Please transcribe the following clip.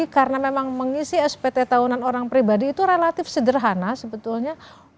karena memang mengisi spt tahunan orang pribadi itu relatif sederhana sebetulnya